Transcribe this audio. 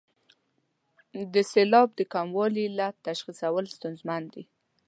د سېلاب د کموالي د علت تشخیصول ستونزمن دي.